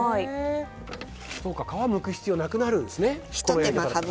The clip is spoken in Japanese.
皮むく必要がなくなるんですね。